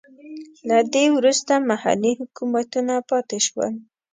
له دې وروسته محلي حکومتونه پاتې شول.